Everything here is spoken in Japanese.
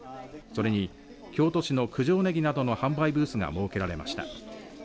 それに、京都市の九条ねぎなどの販売ブースが設けられました。